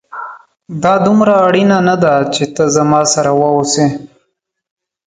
دا دومره اړينه نه ده چي ته زما سره واوسې